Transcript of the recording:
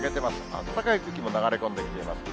暖かい空気も流れ込んできています。